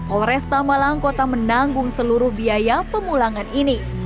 polresta malang kota menanggung seluruh biaya pemulangan ini